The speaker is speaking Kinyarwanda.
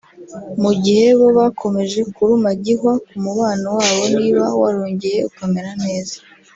Mu gihe bo bakomeje kuruma gihwa ku mubano wabo niba warongeye ukamera neza